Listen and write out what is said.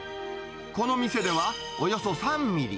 この店では、およそ３ミリ。